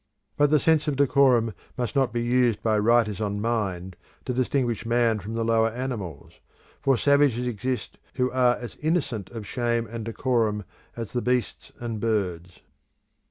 But the sense of decorum must not be used by writers on Mind to distinguish man from the lower animals, for savages exist who are as innocent of shame and decorum as the beasts and birds.